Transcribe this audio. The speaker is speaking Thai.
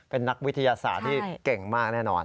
เป็นนักวิทยาศาสตร์ที่เก่งมากแน่นอน